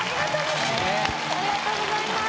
ありがとうございます！